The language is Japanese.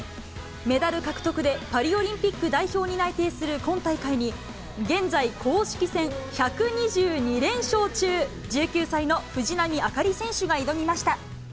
メダル獲得でパリオリンピック代表に内定する今大会に、現在、公式戦１２２連勝中、１９歳の藤波朱理選手が挑みました。